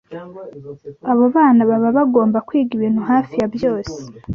Abo bana baba bagomba kwiga ibintu hafi ya byose,